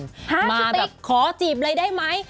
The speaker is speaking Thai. ห้าชื่อติ๊กมาแบบขอจีบเลยได้ไหม